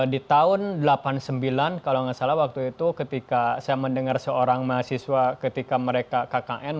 di tahun seribu sembilan ratus delapan puluh sembilan kalau nggak salah waktu itu ketika saya mendengar seorang mahasiswa ketika mereka kkn